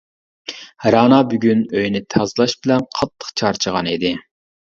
رەنا بۈگۈن ئۆينى تازىلاش بىلەن قاتتىق چارچىغان ئىدى.